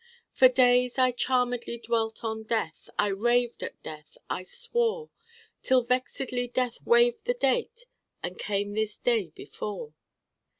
_ For days I charmedly dwelt on death I raved at death I swore Till vexédly death waived the date: _And came this Day Before.